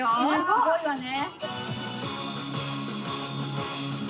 すごいわね。